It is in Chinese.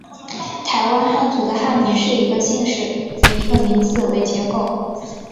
台湾汉族的汉名是以一个姓氏与一个名字为结构。